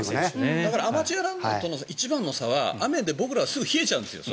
だからアマチュアとの一番の差は雨で僕らはすぐに冷えちゃうんです。